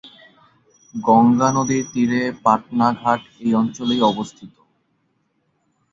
গঙ্গা নদীর তীরে পাটনা ঘাট এই অঞ্চলেই অবস্থিত।